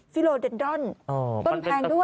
โลเด็ดดอนต้นแพงด้วย